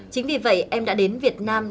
chính vì vậy em đã đến việt nam